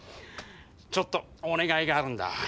ちょっとお願いがあるんだ。